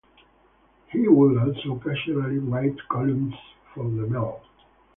He would also occasionally write columns for "The Mail".